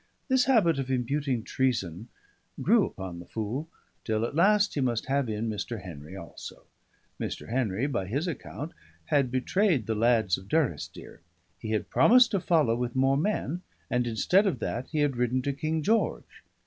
This habit of imputing treason grew upon the fool, till at last he must have in Mr. Henry also. Mr. Henry (by his account) had betrayed the lads of Durrisdeer; he had promised to follow with more men, and instead of that he had ridden to King George.